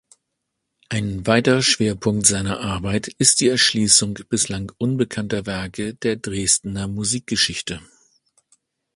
Ein weiterer Schwerpunkt seiner Arbeit ist die Erschließung bislang unbekannter Werke der Dresdner Musikgeschichte.